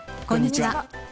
こんにちは。